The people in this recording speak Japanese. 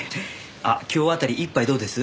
あっ今日あたり一杯どうです？